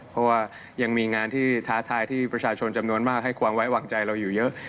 เพราะว่ายังมีงานที่ท้าทายที่ประชาชนจำนวนมากให้ความไว้วางใจเราอยู่เยอะ